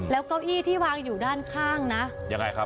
แล้วเก้าอี้ที่วางอยู่ด้านข้างนะยังไงครับ